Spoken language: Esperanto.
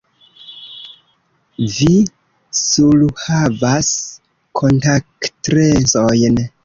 Vi surhavas kontaktlensojn.